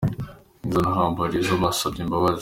Nizzo na Humble Jizzo basabye imbabazi.